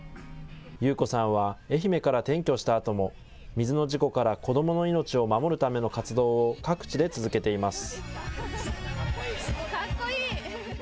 優子さんは愛媛から転居したあとも水の事故から子どもの命を守るための活動を各地で続けています。